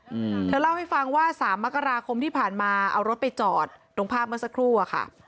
อืมเธอเล่าให้ฟังว่าสามมกราคมที่ผ่านมาเอารถไปจอดตรงภาพเมื่อสักครู่อะค่ะ